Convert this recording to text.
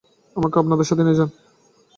আমাকেও আপনাদের সাথে নিয়ে যান!